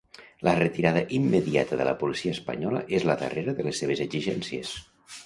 La retirada immediata de la policia espanyola és la darrera de les seves exigències.